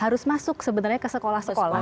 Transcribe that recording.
harus masuk sebenarnya ke sekolah sekolah